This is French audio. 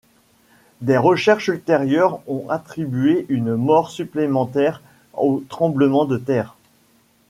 Des recherches ultérieures ont attribué une mort supplémentaire au tremblement de terre.